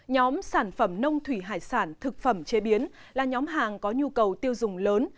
nhóm sản phẩm nông thủy hải sản thực phẩm chế biến là nhóm hàng có nhu cầu tiêu dùng lớn